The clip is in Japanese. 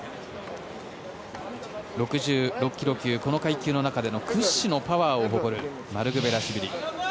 ６６ｋｇ級この階級の中でも屈指のパワーを誇るマルクベラシュビリ。